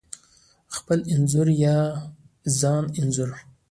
خپل انځور یا ځان انځور: